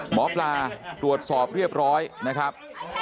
หมอปลาตรวจสอบเรียบร้อยนะครับ